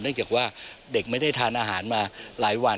จากว่าเด็กไม่ได้ทานอาหารมาหลายวัน